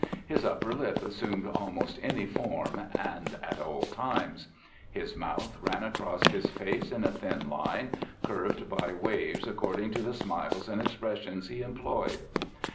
His upper lip assumed almost any form and at all times. His mouth ran across his face in a thin line, curved by waves according to the smiles and expressions he employed.